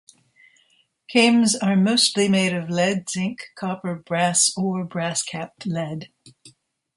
Cames are mostly made of lead, zinc, copper, brass or brass-capped lead.